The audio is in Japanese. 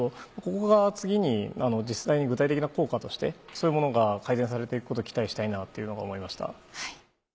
ここが次に実際に具体的な効果としてそういうものが改善されて行くことを期待したいなというのを思いました。